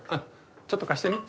ちょっと貸してみぃ。